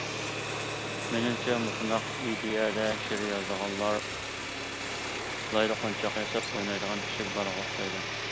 مېنىڭچە، مۇشۇنداق ئىدىيەدە شېئىر يازىدىغانلار لايدا قونچاق ياساپ ئوينايدىغان كىچىك بالىغا ئوخشايدۇ.